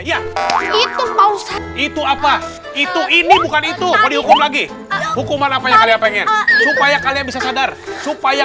itu apa itu ini bukan itu lagi hukuman apanya kalian pengen supaya kalian bisa sadar supaya